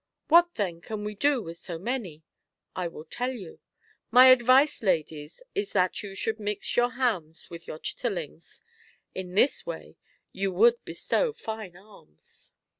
What then can we do with so many ? I will tell you. My advice, ladies, is that you should mix your hams with our chitterlings ; in this way you would bestow fine alms."